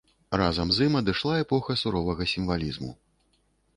Разам з ім адышла эпоха суровага сімвалізму.